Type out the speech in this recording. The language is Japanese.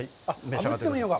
あぶってもいいのか。